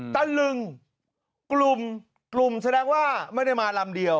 ตะลึงกลุ่มกลุ่มแสดงว่าไม่ได้มาลำเดียว